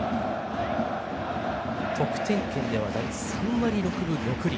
得点圏では３割６分６厘。